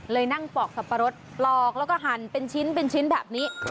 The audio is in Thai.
เลยนั่งปอกสับปะรสปลอกแล้วก็หันเป็นชิ้นแบบนี้